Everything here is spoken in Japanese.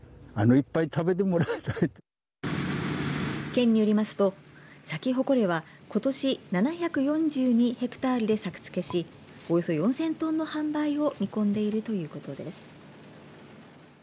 県によりますとサキホコレは、ことし７４２ヘクタールで作付けしおよそ４０００トンの販売を見込んでいるということです。